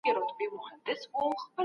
ډېری ماشومان بې ضرره پاتې شوي.